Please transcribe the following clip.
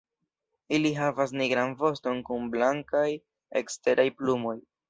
Ili havas nigran voston kun blankaj eksteraj plumoj.